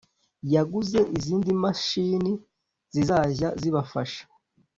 Yaguze izindi mashini zizajya zibafasha